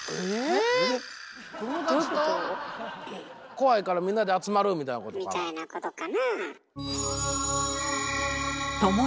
怖いからみんなで集まるみたいな？みたいなことかなあ。